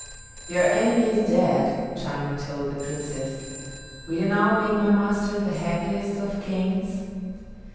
"Your enemy is dead," Charming told the Princess. "Will you now make my master the happiest of kings?"